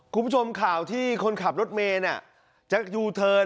คุณผู้ชมข่าวที่คนขับรถเมย์จากยูเทิร์น